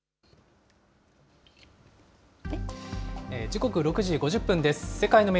時刻６時５０分です。